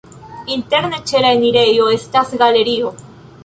Interne ĉe la enirejo estas galerio.